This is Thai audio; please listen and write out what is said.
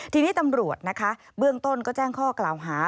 ทีนี้ตำรวจนะคะเบื้องต้นก็แจ้งข้อกล่าวหา